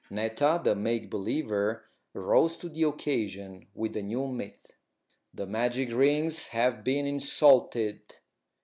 Netta, the make believer, rose to the occasion with a new myth. "The magic rings have been insulted.